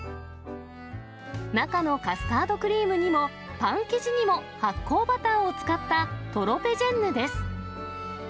中のカスタードクリームにも、パン生地にも、発酵バターを使ったトロペジェンヌです。